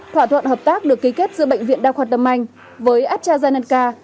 thỏa thuận hợp tác được ký kết giữa bệnh viện đa khoa tâm anh với astrazenanca